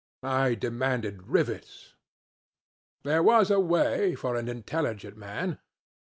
I demanded rivets. There was a way for an intelligent man.